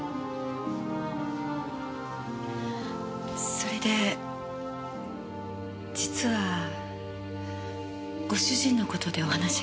それで実はご主人の事でお話が。